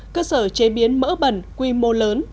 cơ sở chế biến mỡ bẩn quy mô lớn